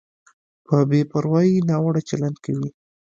په بې پروایۍ ناوړه چلند کوي.